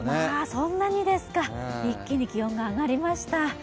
そんなにですか、一気に気温が上がりました。